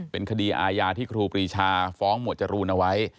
เป็นขณะที่ครูปรีชาฟ้องมวลจรูลเอาไว้